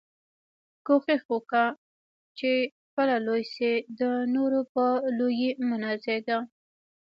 کوښښ وکه، چي خپله لوى سې، د نورو په لويي مه نازېږه!